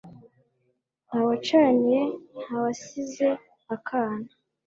Nta wacaniye, Nta wasize akana,